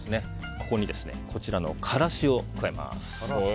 ここに、からしを加えます。